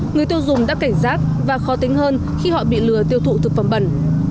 người tiêu dùng đã cảnh giác và khó tính hơn khi họ bị lừa tiêu thụ thực phẩm bẩn